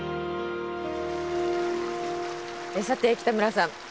さて北村さん